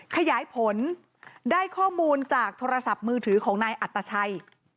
ขยายผลได้ข้อมูลจากโทรศัพท์มือถือของนายอัตชัย